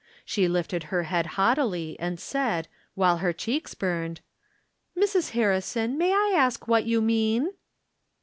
She lifted her head haught ily, and said, while her cheeks burned :" Mrs. Harrison, may I ask what you mean?